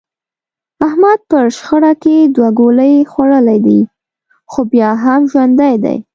احمد په شخړه کې دوه ګولۍ خوړلې دي، خو بیا هم ژوندی دی.